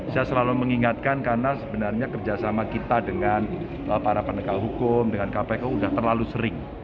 saya selalu mengingatkan karena sebenarnya kerjasama kita dengan para penegak hukum dengan kpk sudah terlalu sering